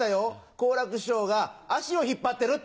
好楽師匠が足を引っ張ってるって。